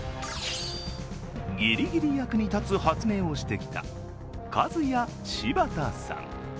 ぎりぎり役に立つ発明をしてきたカズヤシバタさん。